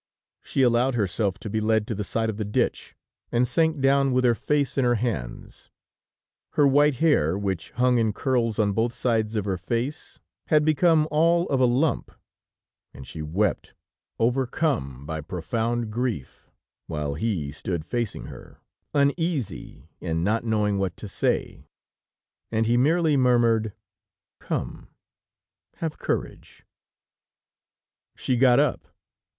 She allowed herself to be led to the side of the ditch, and sank down with her face in her hands. Her white hair, which hung in curls on both sides of her face, had become all of a lump, and she wept, overcome by profound grief, while he stood facing her, uneasy and not knowing what to say, and he merely murmured: "Come, have courage." She got up.